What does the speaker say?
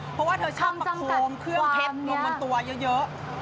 เพราะว่าเธอชอบประโคมเครื่องเทปลงกันตัวเยอะ